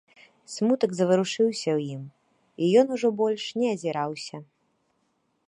Смутак заварушыўся ў ім, і ён ужо больш не азіраўся.